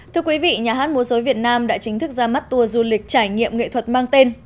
thưa quý vị nhà hát múa dối việt nam đã chính thức ra mắt tour du lịch trải nghiệm nghệ thuật mang tên